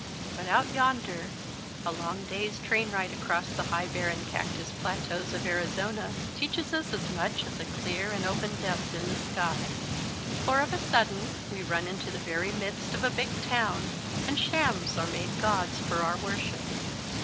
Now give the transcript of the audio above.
But out yonder, a long clay s train ride across the high barren cactus plateaus of Arizona teaches us as much as a clear and open depth in the sky. For, of a sudden, we run into the very midst of a big town, and shams are made gods for our wor ship.